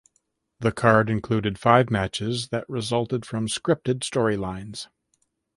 The card included five matches that resulted from scripted storylines.